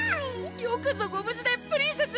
よくぞご無事でプリンセス！